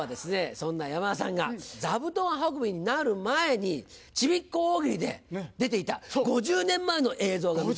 そんな山田さんが座布団運びになる前に『ちびっこ大喜利』で出ていた５０年前の映像が見つかりました。